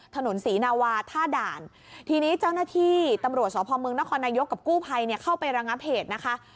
ถนนศรีนาวาท่าด่านทีนี้เจ้าหน้าที่ตำรวจสพมนครนายกกับกู้ภัยเนี่ยเข้าไประงับเหตุนะคะ